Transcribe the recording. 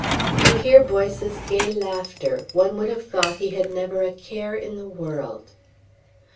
To hear Boyce's gay laughter one would have thought he had never a care in the world